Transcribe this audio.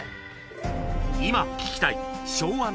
今聴きたい昭和の名曲！